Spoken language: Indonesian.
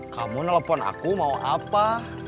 kamu nelfon aku mau apa